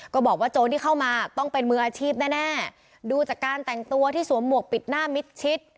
ก็บอกว่าโจรที่เข้ามาต้องเป็นมืออาชีพแน่แน่ดูจากการแต่งตัวที่สวมหมวกปิดหน้ามิดชิด